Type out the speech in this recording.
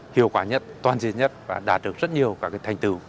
hiệu quả nhất toàn diện nhất và đạt được rất nhiều các thành tựu